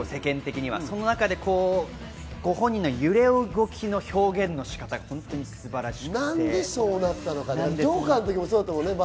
その中で、ご本人の揺れ動きの表現の仕方が素晴らしい。